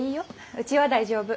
うちは大丈夫。